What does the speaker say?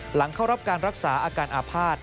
หลังเข้ารับการรักษาอาการอาภาษณ์